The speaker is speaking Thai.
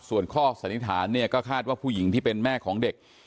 ส่วนข้อสันนิษฐานเนี่ยก็คาดว่าผู้หญิงที่เป็นแม่ของเด็ก